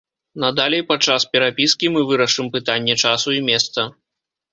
Надалей падчас перапіскі мы вырашым пытанне часу і месца.